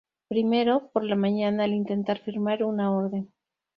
Primero, por la mañana, al intentar firmar una orden.